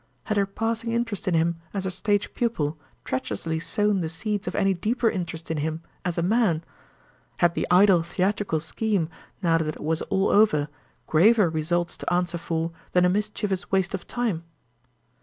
Had her passing interest in him as her stage pupil treacherously sown the seeds of any deeper interest in him, as a man? Had the idle theatrical scheme, now that it was all over, graver results to answer for than a mischievous waste of time?